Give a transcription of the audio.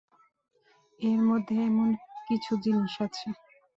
এর মধ্যে এমন কিছু জিনিস আছে।